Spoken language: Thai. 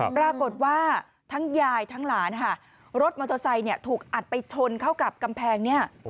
ปรากฏว่าทั้งยายทั้งหลานค่ะรถมอเตอร์ไซค์ถูกอัดไปชนเข้ากับกำแพงเนี่ย